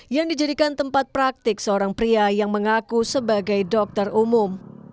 yang dijadikan tempat praktik seorang pria yang mengaku sebagai dokter umum